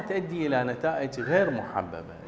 ini adalah pengalaman mengenai perubatan herbal